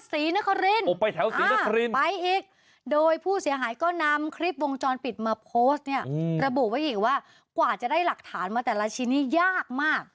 ศรีนครินผมไปแถวศรีนครินไปอีกโดยผู้เสียหายก็นำคลิปวงจรปิดมาโพสต์เนี่ยระบุไว้อีกว่ากว่าจะได้หลักฐานมาแต่ละชิ้นนี้ยากมาก